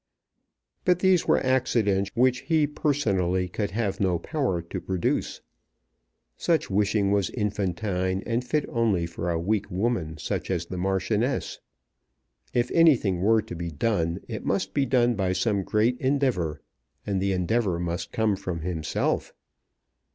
But these were accidents which he personally could have no power to produce. Such wishing was infantine, and fit only for a weak woman, such as the Marchioness. If anything were to be done it must be done by some great endeavour; and the endeavour must come from himself.